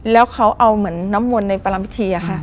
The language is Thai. แล้วเขาเอาเหมือนน้ำมนต์ในปรารมณ์พิธี